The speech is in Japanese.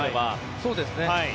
そうですね。